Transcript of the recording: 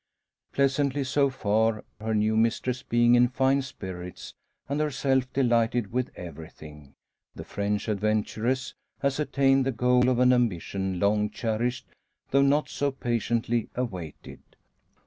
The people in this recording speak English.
Pleasantly so far; her new mistress being in fine spirits, and herself delighted with everything. The French adventuress has attained the goal of an ambition long cherished, though not so patiently awaited.